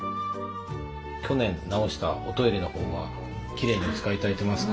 去年直したおトイレのほうはきれいにお使いいただいてますか？